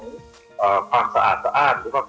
ความสะอาดสะอาด